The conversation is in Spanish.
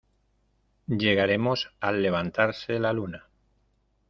llegaremos al levantarse la luna.